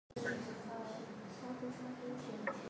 延文是日本北朝的年号之一。